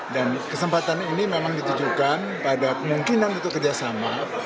dan kesempatan ini memang ditujukan pada kemungkinan untuk kerjasama